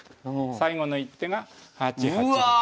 最後の一手が８八竜。